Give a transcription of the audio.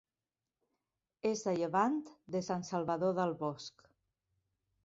És a llevant de Sant Salvador del Bosc.